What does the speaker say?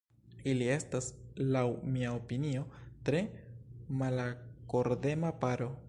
Ili estas, laŭ mia opinio, tre malakordema paro.